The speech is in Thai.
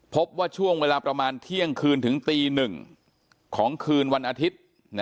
พบว่าช่วงเวลาประมาณเที่ยงคืนถึงตี๑ของคืนวันอาทิตย์